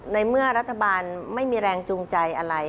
ในเมื่อรัฐบาลไม่มีแรงจูงใจอะไร